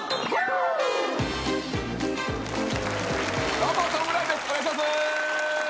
どうもトム・ブラウンですお願いします。